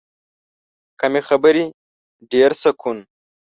کمې خبرې، ډېر سکون.